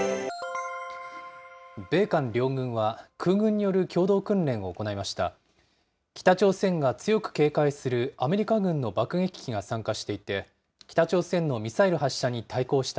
米韓両軍は、空軍による共同訓練を行いました。